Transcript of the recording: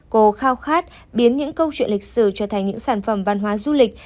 cô khao khát biến những câu chuyện lịch sử trở thành những sản phẩm văn hóa du lịch